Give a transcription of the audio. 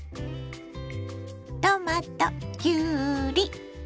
トマトきゅうり